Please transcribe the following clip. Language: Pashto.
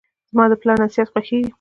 زماد پلار نصیحت خوښیږي.